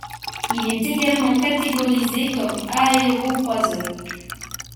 Il est également catégorisé comme aréocroiseur.